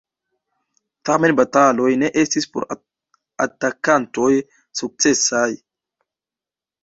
Tamen bataloj ne estis por atakantoj sukcesaj.